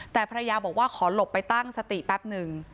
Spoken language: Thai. แต่ภรรยาบอกว่าขอหลบไปตั้งสติแป๊บหนึ่ง